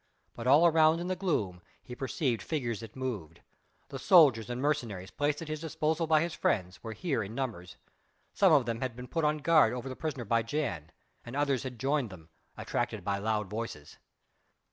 But all around in the gloom he perceived figures that moved; the soldiers and mercenaries placed at his disposal by his friends were here in numbers: some of them had been put on guard over the prisoner by Jan, and others had joined them, attracted by loud voices.